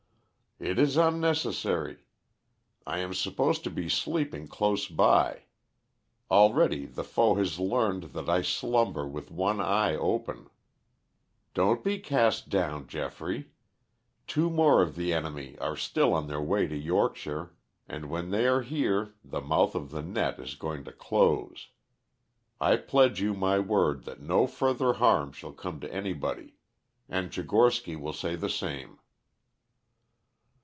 "It is unnecessary. I am supposed to be sleeping close by. Already the foe has learned that I slumber with one eye open. Don't be cast down, Geoffrey. Two more of the enemy are on their way to Yorkshire, and when they are here the mouth of the net is going to close. I pledge you my word that no further harm shall come to anybody. And Tchigorsky will say the same."